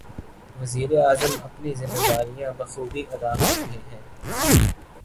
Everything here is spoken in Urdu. وزیر اعظم اپنی ذمہ داریاں بخوبی ادا کر رہے ہیں۔